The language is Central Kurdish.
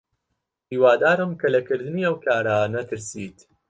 هیوادارم کە لە کردنی ئەو کارە نەترسیت.